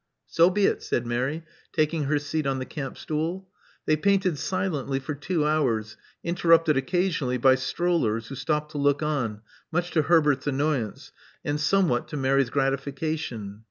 "So be it," said Mary, taking her seat on the campstool. They painted silently for two hours, interrupted occasionally by strollers, who stopped to look on, much to Herbert's annoyance, and somewhat to Mary's gfratification.